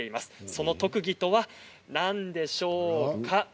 その特技とは何でしょうか？